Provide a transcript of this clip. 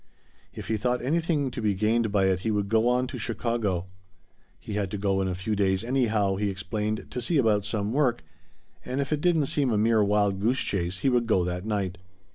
If he thought anything to be gained by it he would go on to Chicago. He had to go in a few days anyhow, he explained, to see about some work, and if it didn't seem a mere wild goose chase he would go that night.